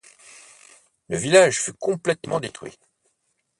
Le village fut complètement détruit.